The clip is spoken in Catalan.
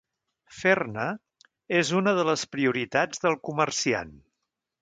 Fer-ne és una de les prioritats del comerciant.